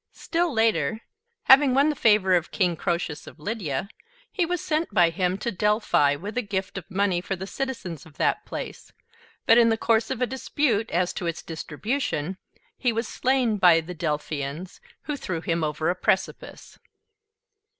Still later, having won the favor of King Croesus of Lydia, he was sent by him to Delphi with a gift of money for the citizens of that place; but in the course of a dispute as to its distribution, he was slain by the Delphians, who threw him over a precipice.